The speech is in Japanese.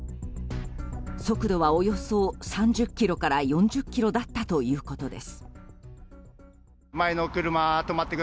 速度は、およそ３０キロから４０キロだったということです。